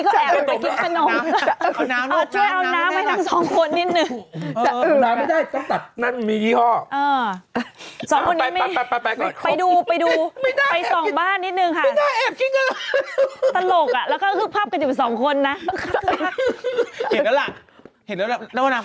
เขาแบบอุ๊ยสะอึก